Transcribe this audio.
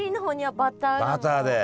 バターで。